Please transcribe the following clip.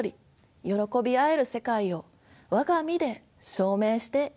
よろこび合える世界を我が身で証明してゆきましょう。